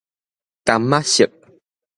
柑仔色